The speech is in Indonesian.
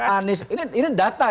anis ini data